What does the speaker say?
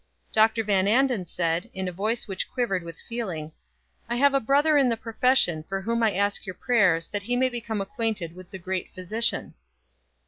Dr. Van Anden said, in a voice which quivered with feeling: "I have a brother in the profession for whom I ask your prayers that he may become acquainted with the great Physician."